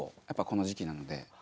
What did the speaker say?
やっぱこの時期なので。